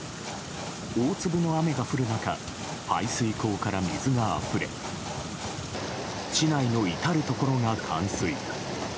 大粒の雨が降る中排水溝から水があふれ市内の至るところが冠水。